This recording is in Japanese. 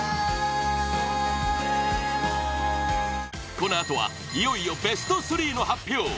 このあとはいよいよベスト３の発表